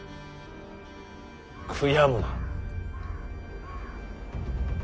悔やむな。